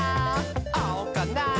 あおかな？